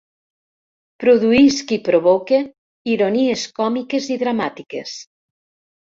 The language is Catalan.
Produïsc i provoque ironies còmiques i dramàtiques.